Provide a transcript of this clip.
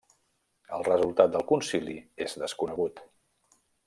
El resultat del concili és desconegut.